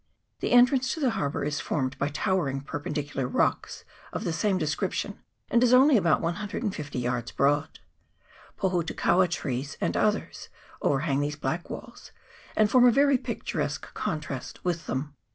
The en trance to the harbour is formed by towering per pendicular rocks of the same description, and is only about 150 yards broad. Pohutukaua trees and others overhang these black walls, and form a very picturesque contrast with them.